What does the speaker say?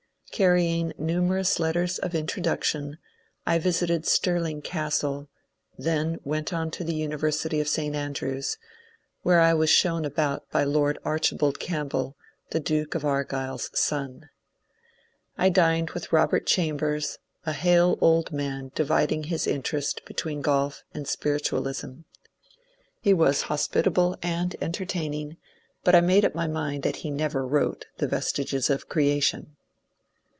Carrying numerous letters of introduction, I visited Stirling Castle, then went on to the University of St. Andrews, where I was shown about by Lord Archibald Campbell, the Duke of Argyll's son. I dined with Robert Chambers, a hale old man dividing his interest between golf and spiritualism. He was hospitable and entertaining, but I made up my mind that he never wrote " The Vestiges of Creation."